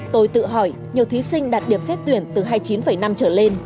tôi tự hỏi nhiều thí sinh đạt điểm xét tuyển từ hai mươi chín năm trở lên